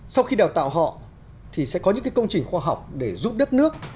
sau khi đào tạo họ thì sẽ có những công trình khoa học để giúp đất nước